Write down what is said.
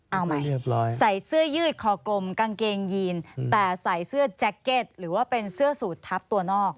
เอาใหม่ใส่เสื้อยืดคอกลมกางเกงยีนแต่ใส่เสื้อแจ็คเก็ตหรือว่าเป็นเสื้อสูตรทับตัวนอก